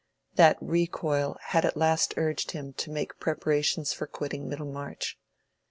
That recoil had at last urged him to make preparations for quitting Middlemarch.